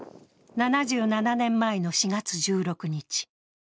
７７年前の４月１６日。